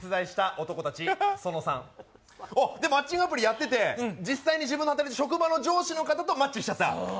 お、マッチングアプリやってて、実際に自分が働く職場の上司の方とマッチしちゃった？